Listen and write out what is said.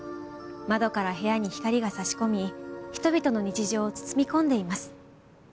窓から部屋に光が差し込み人々の日常を包み込んでいます。